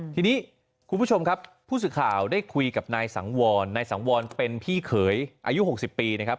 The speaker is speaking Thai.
ทีนี้คุณผู้ชมครับผู้สื่อข่าวได้คุยกับนายสังวรนายสังวรเป็นพี่เขยอายุ๖๐ปีนะครับ